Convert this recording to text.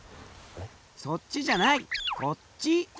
そっちじゃないこっち！